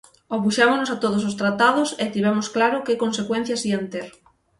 Opuxémonos a todos os tratados e tivemos claro que consecuencias ían ter.